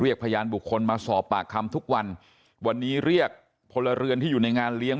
พยานบุคคลมาสอบปากคำทุกวันวันนี้เรียกพลเรือนที่อยู่ในงานเลี้ยง